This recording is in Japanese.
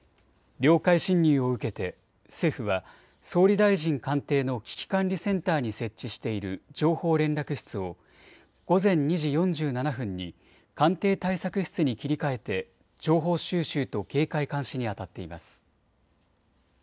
領海侵入を受けて政府は総理大臣官邸の危機管理センターに設置している情報連絡室を午前２時４７分に官邸対策室に切り替えて情報収集と警戒監視にあたっています。